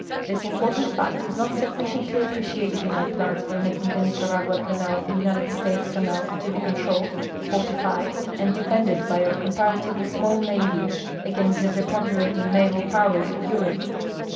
This important fact is not suffi ciently appreciated in our plans for making the Nicaragua canal a United States canal, to he controlled, fortified, and defended by our com])aratively small nav}" against the preponderating naval ]>owers of Eunqie.